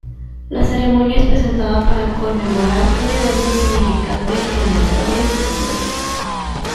La ceremonia es presentada para conmemorar un evento significante en la historia de Corea.